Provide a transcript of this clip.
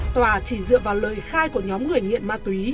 tòa chỉ dựa vào lời khai của nhóm người nghiện ma túy